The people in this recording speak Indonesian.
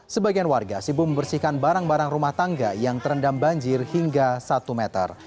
sebagian warga sibuk membersihkan barang barang rumah tangga yang terendam banjir hingga satu meter